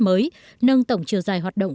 mới nâng tổng chiều dài hoạt động